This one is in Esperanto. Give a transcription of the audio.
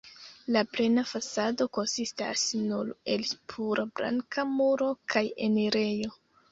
La plena fasado konsistas nur el pura blanka muro kaj enirejo.